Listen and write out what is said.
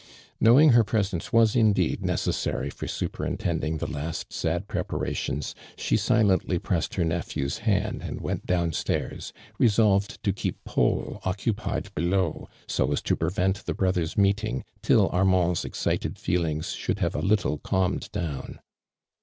Knowing her presence was indeed ncces Kary for superintending the last sad prepara tions, she silently pressed her nephew's hand and wont down stairs, resolved to keep Paul occupied below, so as to prevent the brothers meeting till Armand's excited feel ings sliould have a little calmed down.